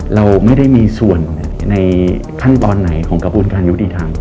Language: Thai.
เราไม่ได้มีส่วนในขั้นตอนไหนของกระบวนการยุติธรรม